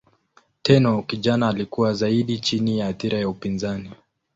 Tenno kijana alikuwa zaidi chini ya athira ya upinzani.